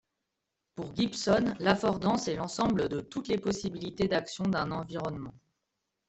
Pour Gibson, l'affordance est l'ensemble de toutes les possibilités d'action d'un environnement.